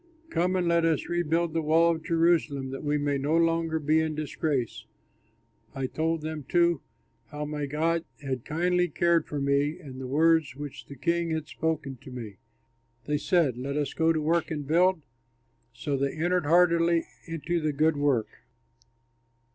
Come and let us rebuild the wall of Jerusalem, that we may no longer be in disgrace." I told them too how my God had kindly cared for me and the words which the king had spoken to me. They said, "Let us go to work and build?" So they entered heartily into the good work.